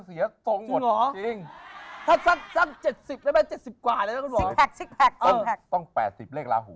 เห็นหัวกับกาหู